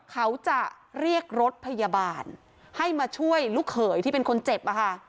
เขาจะเรียกรถพยาบาลให้มาช่วยลูกเขยที่เป็นคนเจ็บอะค่ะ